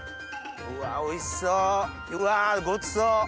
うわおいしそううわごちそう。